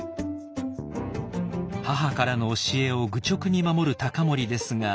母からの教えを愚直に守る隆盛ですが。